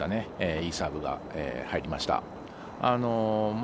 いいサーブが入りました。